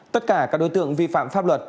tất cả các đối tượng vi phạm pháp luật